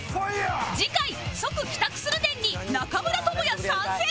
次回「即帰宅するねん」に中村倫也参戦！